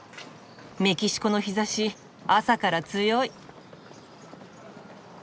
メキシコの日ざし朝から強い！